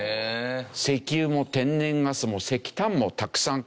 石油も天然ガスも石炭もたくさんとれるでしょ。